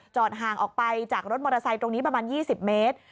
ห่างออกไปจากรถมอเตอร์ไซค์ตรงนี้ประมาณ๒๐เมตร